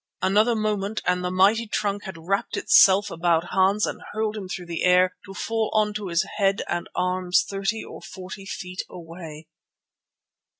Another moment, and the mighty trunk had wrapped itself about Hans and hurled him through the air to fall on to his head and arms thirty or forty feet away.